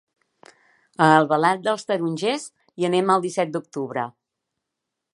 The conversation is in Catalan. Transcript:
A Albalat dels Tarongers hi anem el disset d'octubre.